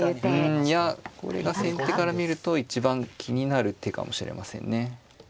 うんいやこれが先手から見ると一番気になる手かもしれませんね。